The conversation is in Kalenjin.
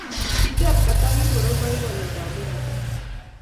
Kiteb Kata kingoro boiboiyetab neratat